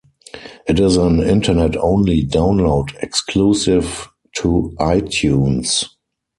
It is an internet-only download exclusive to iTunes.